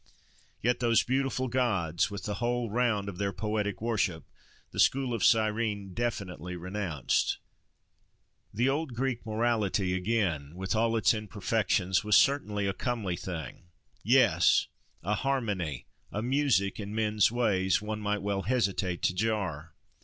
Yet those beautiful gods, with the whole round of their poetic worship, the school of Cyrene definitely renounced. The old Greek morality, again, with all its imperfections, was certainly a comely thing.—Yes! a harmony, a music, in men's ways, one might well hesitate to jar.